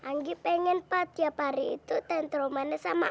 iya sayang anggi pengen pak tiap hari itu tenter rumahnya bisa nengokin